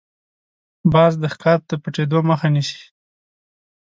باز د ښکار د پټېدو مخه نیسي